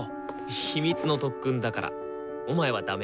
秘密の特訓だからお前はダメ。